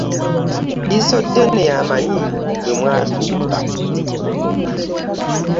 Liiso ddene y'amanyi bwe mwatuuka .